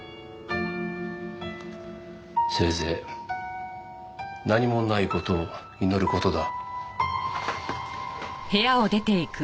せいぜい何もない事を祈る事だ。